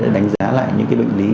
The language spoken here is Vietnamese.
đánh giá lại những bệnh lý